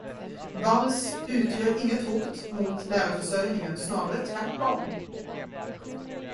Vals utgör inget hot mot lärarförsörjningen, snarare tvärtom.